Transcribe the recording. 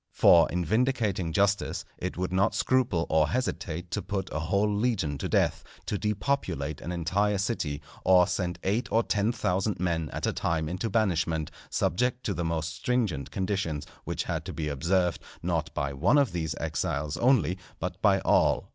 For in vindicating justice, it would not scruple or hesitate to put a whole legion to death, to depopulate an entire city, or send eight or ten thousand men at a time into banishment, subject to the most stringent conditions, which had to be observed, not by one of these exiles only, but by all.